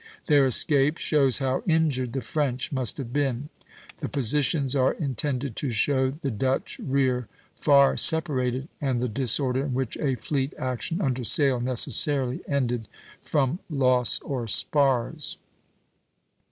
Their escape shows how injured the French must have been. The positions, C, C', are intended to show the Dutch rear far separated, and the disorder in which a fleet action under sail necessarily ended from loss of spars.